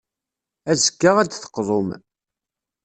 Azekka, ad d-teqḍum.